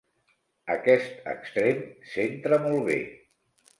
Aquest extrem centra molt bé.